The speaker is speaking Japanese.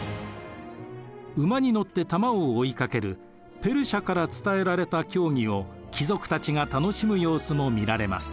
馬に乗って玉を追いかけるペルシアから伝えられた競技を貴族たちが楽しむ様子も見られます。